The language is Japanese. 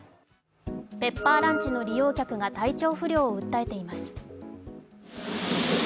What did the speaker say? ペッパーランチの利用客が体調不良を訴えています。